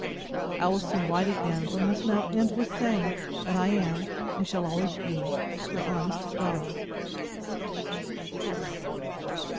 I will soon write again; but must now end with saying, that I am, and shall always be, Your honest DAUGHTER.